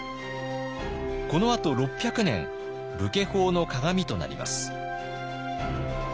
このあと６００年武家法の鑑となります。